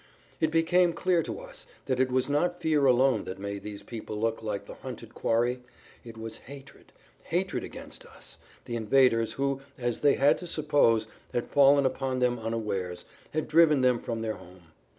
It became clear to us that it was not fear alone that made these people look like the hunted quarry; it was hatred, hatred against us, the invaders who, as they had to suppose, had fallen upon them unawares, had driven them from their home.